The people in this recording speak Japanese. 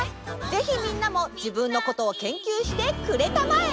ぜひみんなも自分のことを研究してくれたまえ！